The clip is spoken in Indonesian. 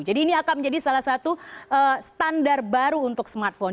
jadi ini akan menjadi salah satu standar baru untuk smartphone